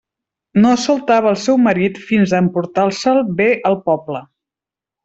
No soltava el seu marit fins a emportar-se'l bé al poble.